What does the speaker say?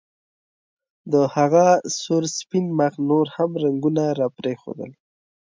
د هغه سور سپین مخ نور هم رنګونه راپرېښودل